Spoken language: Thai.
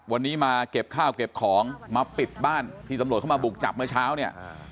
วันนี้มาเก็บข้าวเก็บของมาปิดบ้านที่ตำรวจเข้ามาบุกจับเมื่อเช้าเนี่ย